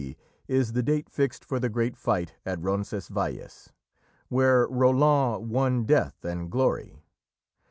D. is the date fixed for the great fight at Roncesvalles, where Roland won death and glory.